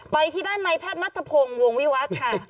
ไปที่ด้านในแพทย์นัทพงศ์วงวิวัฒน์ค่ะ